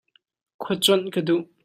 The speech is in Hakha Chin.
Khua cuanh ka duh.